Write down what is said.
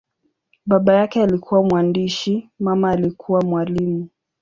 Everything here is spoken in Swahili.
Baba yake alikuwa mwandishi, mama alikuwa mwalimu.